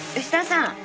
吉田さん。